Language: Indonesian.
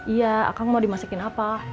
iya akang mau dimasakin apa